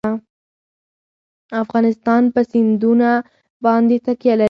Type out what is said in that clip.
افغانستان په سیندونه باندې تکیه لري.